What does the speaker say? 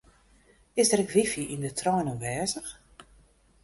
Is der ek wifi yn de trein oanwêzich?